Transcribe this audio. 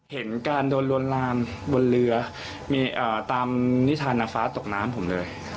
เห็นการโดนลวนลามบนเรือมีตามนิทานนางฟ้าตกน้ำผมเลย